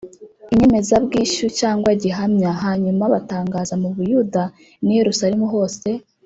inyemezabwishyu cyangwa gihamya Hanyuma batangaza mu Buyuda n i Yerusalemu hose